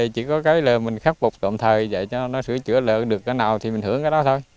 chỉ có cái là mình khắc phục tạm thời vậy cho nó sửa chữa lượng được cái nào thì mình hưởng cái đó thôi